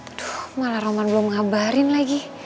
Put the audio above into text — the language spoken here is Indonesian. aduh malah roman belum ngabarin lagi